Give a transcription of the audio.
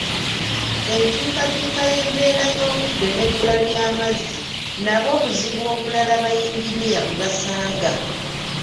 Enkyukakyuka y'embeera y'obudde n'ebbula ly'amazzi nabwo buzibu obulala bayinginiya bwe basanga.